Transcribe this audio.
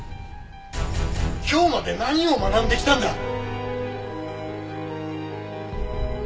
今日まで何を学んできたんだ？